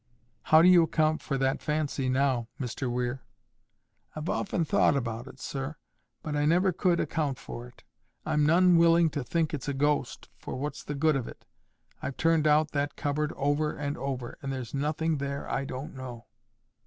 "How do you account for that fancy, now, Mr Weir?" "I've often thought about it, sir, but I never could account for it. I'm none willing to think it's a ghost; for what's the good of it? I've turned out that cupboard over and over, and there's nothing there I don't know."